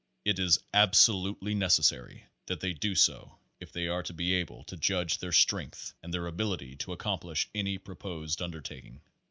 It is absolutely necessary that they do so if they are to be able to judge their strength and their ability to accomplish any pro posed undertaking.